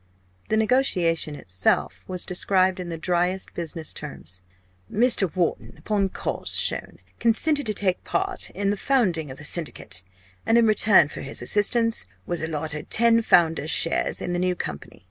The negotiation itself was described in the driest business terms. "Mr. Wharton, upon cause shown, consented to take part in the founding of the Syndicate, and in return for his assistance, was allotted ten founders' shares in the new company.